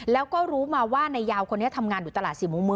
แล้วก็รู้มาว่านายยาวคนนี้ทำงานอยู่ตลาดสี่มุม